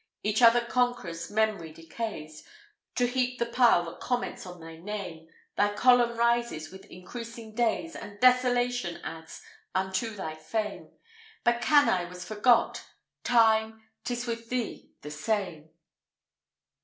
Each other conq'ror's memory decays To heap the pile that comments on thy name; Thy column rises with increasing days, And desolation adds unto thy fame; But Cannae was forgot Time, 'tis with thee the same."